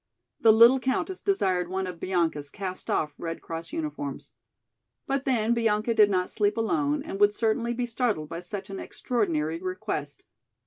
The little countess desired one of Bianca's cast off Red Cross uniforms. But then Bianca did not sleep alone and would certainly be startled by such an extraordinary request.